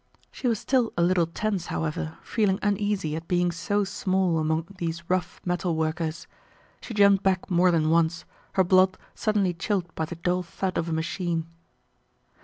She was still a little tense, however, feeling uneasy at being so small among these rough metalworkers. She jumped back more than once, her blood suddenly chilled by the dull thud of a machine.